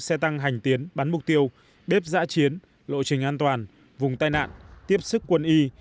xe tăng hành tiến bắn mục tiêu bếp giã chiến lộ trình an toàn vùng tai nạn tiếp sức quân y